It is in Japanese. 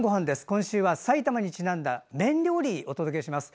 今週は埼玉にちなんだ麺料理をお届けします。